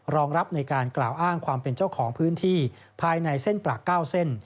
รองรับในการกล่าวอ้างความเป็นเจ้าของพื้นที่ภายในเส้นปลา๙เส้น